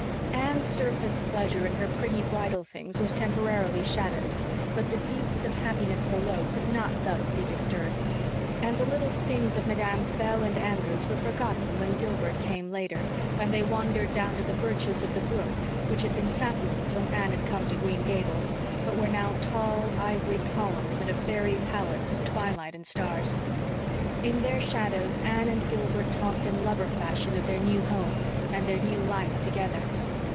Anne's surface pleasure in her pretty bridal things was temporarily shadowed; but the deeps of happiness below could not thus be disturbed; and the little stings of Mesdames Bell and Andrews were forgotten when Gilbert came later, and they wandered down to the birches of the brook, which had been saplings when Anne had come to Green Gables, but were now tall, ivory columns in a fairy palace of twilight and stars. In their shadows Anne and Gilbert talked in lover fashion of their new home and their new life together.